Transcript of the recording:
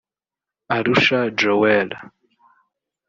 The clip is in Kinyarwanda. Arusha Joel